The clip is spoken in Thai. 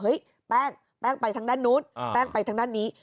แป้งแป้งไปทางด้านนู้นแป้งไปทางด้านนี้